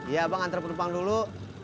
ya bang antar penumpang dulu